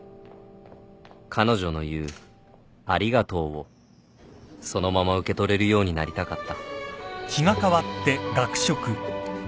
彼女の言うありがとうをそのまま受け取れるようになりたかった